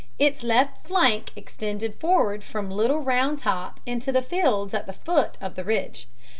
Its left flank extended forward from Little Round Top into the fields at the foot of the ridge.